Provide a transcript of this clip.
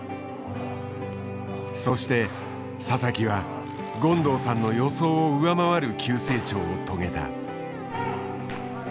そして佐々木は権藤さんの予想を上回る急成長を遂げた。